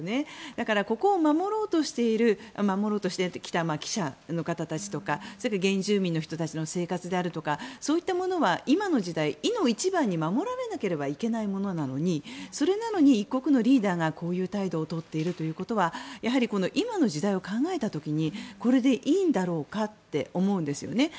だから、ここを守ろうとしてきた記者の方とかそれと原住民の人たちの生活であるとかそういったものは今の時代いの一番に守らなければならないものなのにそれなのに一国のリーダーがこういう態度を取っているということはやはり今の時代を考えた時にこれでいいんだろうかって思うんですよね。